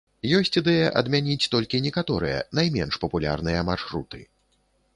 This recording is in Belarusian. Ёсць ідэя адмяніць толькі некаторыя, найменш папулярныя маршруты.